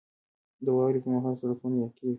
• د واورې پر مهال سړکونه یخ کېږي.